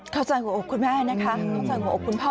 หัวอกคุณแม่นะคะเข้าใจหัวอกคุณพ่อ